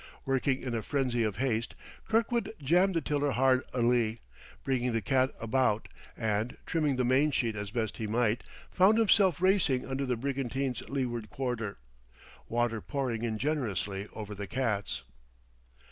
Working in a frenzy of haste, Kirkwood jammed the tiller hard alee, bringing the cat about, and, trimming the mainsheet as best he might, found himself racing under the brigantine's leeward quarter, water pouring in generously over the cat's.